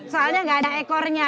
soalnya enggak ada ekornya